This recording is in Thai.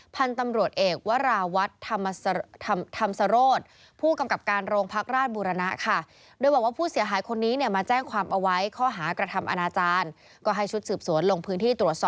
พันธุ์ตำรวจเอกวาราวัตธรรมสโรธ